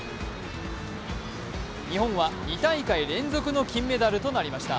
日本は２大会連続の金メダルとなりました。